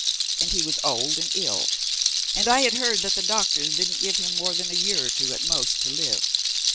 And he was old and ill, and I had heard that the doctors didn't give him more than a year or two, at most, to live.